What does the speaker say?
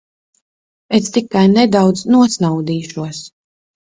Es tikai nedaudz nosnaudīšos.